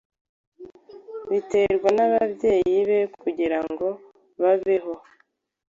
Biterwa nababyeyi be kugirango babeho.